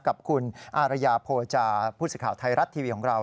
กับคุณอารยาโพจาพูดสิทธิ์ข่าวไทยรัตน์ทีวีของเรา